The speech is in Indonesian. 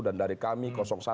dan dari kami satu dua